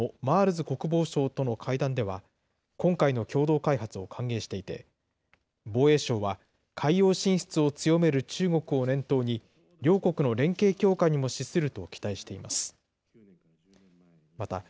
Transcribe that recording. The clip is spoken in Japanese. おととい行われた木原防衛大臣とオーストラリアのマールズ国防相との会談では、今回の共同開発を歓迎していて、防衛省は、海洋進出を強める中国を念頭に、両国の連携強化にも資すると期待しています。